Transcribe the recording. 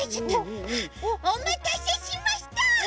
おまたせしました！